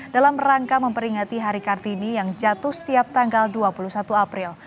dalam rangka memperingati hari kartini yang jatuh setiap tanggal dua puluh satu april